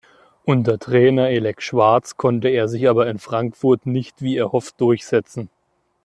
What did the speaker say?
Unter Trainer Elek Schwartz konnte er sich aber in Frankfurt nicht wie erhofft durchsetzen.